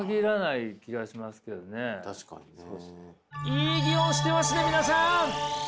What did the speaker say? いい議論してますね皆さん！